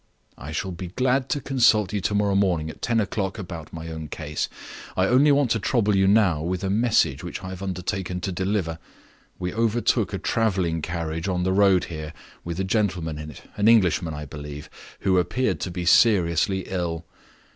"I shall be glad to consult you to morrow morning, at ten o'clock, about my own case. I only want to trouble you now with a message which I have undertaken to deliver. We overtook a traveling carriage on the road here with a gentleman in it an Englishman, I believe who appeared to be seriously ill.